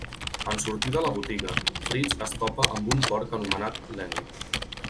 En sortir de la botiga, Fritz es topa amb un porc anomenat Lenny.